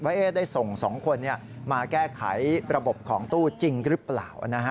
ได้ส่ง๒คนมาแก้ไขระบบของตู้จริงหรือเปล่า